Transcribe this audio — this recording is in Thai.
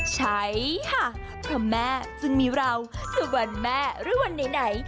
ใช่ค่ะถ้าแม่จึงมีเราทุกวันแม่หรือวันใด